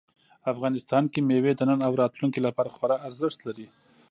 افغانستان کې مېوې د نن او راتلونکي لپاره خورا ارزښت لري.